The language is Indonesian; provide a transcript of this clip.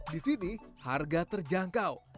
di sini harga terjangkau